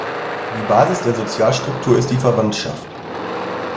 Die Basis der Sozialstruktur ist die Verwandtschaft.